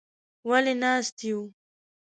_ولې ناست يو؟